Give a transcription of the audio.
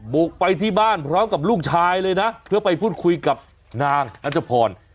บุกไปที่บ้านพร้อมกับลูกชายเลยนะเพื่อไปพูดคุยกับนางรัชพร